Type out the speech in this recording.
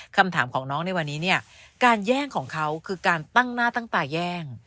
คำถามของน้องในวันนี้เนี่ยการแย่งของเขาคือการตั้งหน้าตั้งตาแย่ง